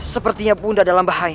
sepertinya bunda dalam bahaya